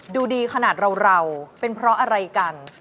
ดูดีขนาดเราเป็นเพราะอะไรกัน